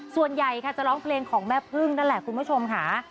ส่วนใหญ่ค่ะจะร้องเพลงของแม่พึ่งนั่นแหละคุณผู้ชมค่ะ